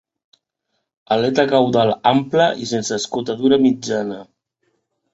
Aleta caudal ampla i sense escotadura mitjana.